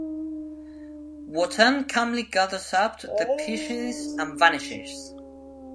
Wotan calmly gathers up the pieces and vanishes.